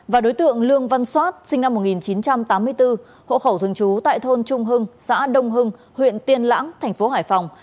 và đối tượng lương văn soát sinh năm một nghìn chín trăm tám mươi bốn hộ khẩu thường trú tại thôn trung hưng xã đông hưng huyện tiên lãng thành phố hải phòng